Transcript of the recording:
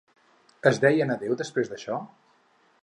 Es deien adeu, després d'això?